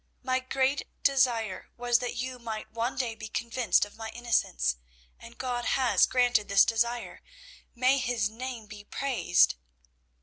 My great desire was that you might one day be convinced of my innocence, and God has granted this desire. May His name be praised!"